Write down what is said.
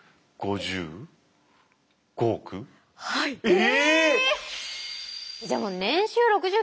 え！